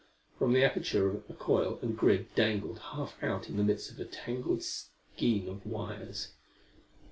From the aperture a coil and grid dangled half out in the midst of a tangled skein of wires.